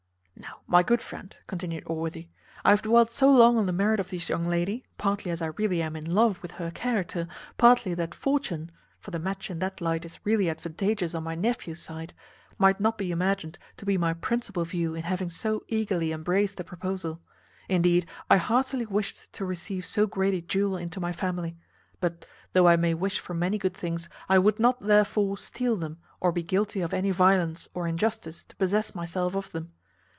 "Now, my good friend," continued Allworthy, "I have dwelt so long on the merit of this young lady, partly as I really am in love with her character, and partly that fortune (for the match in that light is really advantageous on my nephew's side) might not be imagined to be my principal view in having so eagerly embraced the proposal. Indeed, I heartily wished to receive so great a jewel into my family; but though I may wish for many good things, I would not, therefore, steal them, or be guilty of any violence or injustice to possess myself of them.